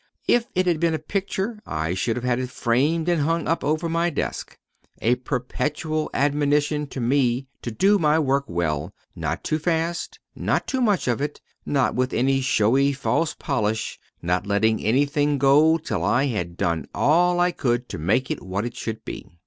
If it had been a picture, I should have had it framed and hung up over my desk, a perpetual admonition to me to do my work well; not too fast; not too much of it; not with any showy false polish; not letting anything go till I had done all I could to make it what it should be.